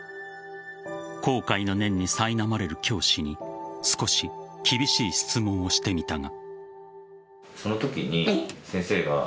後悔の念に苛まれる教師に少し厳しい質問をしてみたが。